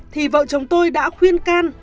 thì vợ chồng tôi đã khuyên can